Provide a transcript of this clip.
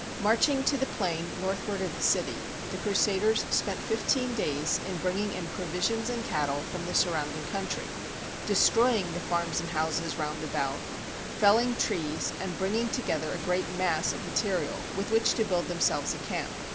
Marching to the plain northward of the city, the Crusaders spent fifteen days in bringing in provi sions and cattle from the surrounding country, de stroying the farms and houses round about, felling trees and bringing together a great mass of mate rial with which to build themselves a camp.